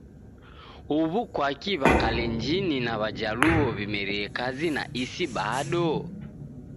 Huw'u kwaki W'akalenjini na W'ajaluo w'imerie kazi na isi bado?